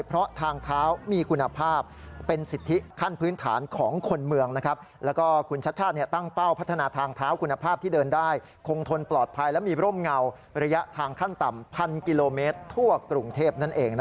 เพราะทางท้าวมีคุณภาพเป็นสิทธิขั้นพื้นฐานของคนเมืองนะครับ